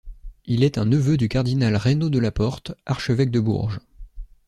Il est un neveu du cardinal Raynaud de La Porte, archevêque de Bourges.